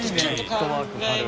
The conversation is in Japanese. フットワーク軽い。